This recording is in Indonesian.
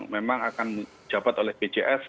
memang akan menjabat oleh bjf